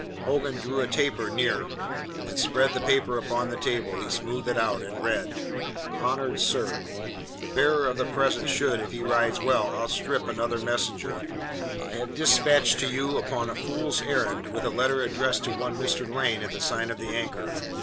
Hogan drew a taper nearer, and spreading the paper upon the table, he smoothed it out, and read: HONOURED SIR, The bearer of the present should, if he rides well, outstrip another messenger I have dispatched to you upon a fool's errand, with a letter addressed to one Mr. Lane at the sign of the Anchor.